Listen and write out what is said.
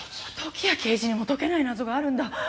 時矢刑事にも解けない謎があるんだ。